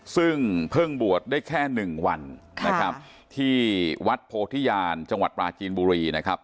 ซึ่งเพิ่งบวชได้แค่หนึ่งวันนะครับที่วัดโพธิญาณจังหวัดปราจีนบุรีนะครับ